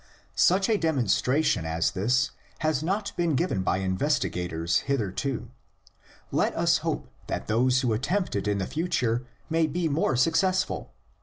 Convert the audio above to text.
Such a demonstra tion as this has not been given by investigators hitherto." Let us hope that those who attempt it in the future maybe more successful!